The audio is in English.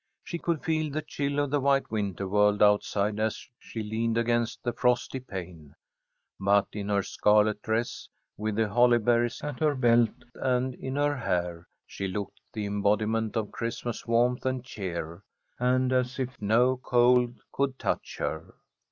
She could feel the chill of the white winter world outside as she leaned against the frosty pane, but in her scarlet dress, with the holly berries at her belt and in her hair, she looked the embodiment of Christmas warmth and cheer, and as if no cold could touch her.